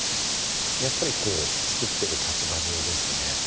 やっぱりこう造ってる立場上ですね